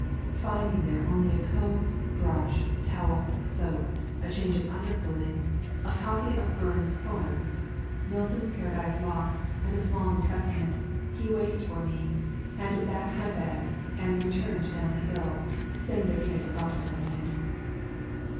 Finding there only a comb, brush, towel, soap, a change of underclothing, a copy [17 ] A Thousand Mile Walk of Burns's poems, Milton's Paradise Lost, and a small New Testament, he waited for me, handed back my bag, and returned down the hill, saying that he had forgotten something.